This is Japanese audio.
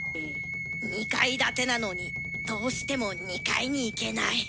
２階建てなのにどうしても２階に行けない。